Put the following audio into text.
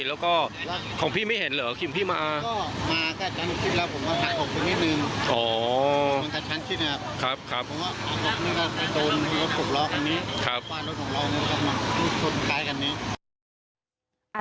แล้วก็ของพี่ไม่เห็นเหรอพี่มา